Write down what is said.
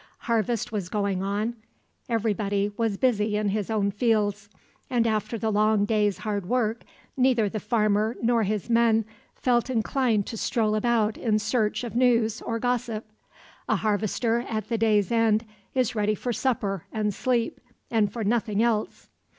Harvest was going on, everybody was busy in his own fields, and after the long day's hard work neither the farmer nor his men felt inclined to stroll about in search of news or gossip. A harvester at the day's end is ready for supper and sleep and for nothing else.